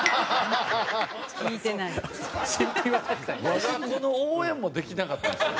我が子の応援もできなかったんですよ。